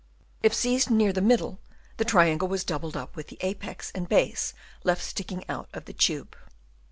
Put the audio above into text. If seized near the middle the triangle was doubled up, with the apex and base left sticking out of the tube.